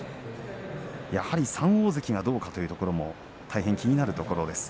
やはり３大関がどうかというところも大変気になるところです。